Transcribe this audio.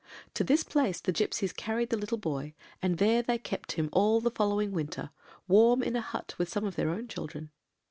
To this place the gipsies carried the little boy, and there they kept him, all the following winter, warm in a hut with some of their own children.